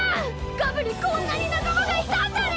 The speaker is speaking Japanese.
ガブにこんなになかまがいたんだね！